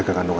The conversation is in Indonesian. ya ada siapa